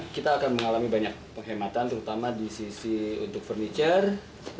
kita akan mengalami banyak penghematan terutama di sisi untuk furniture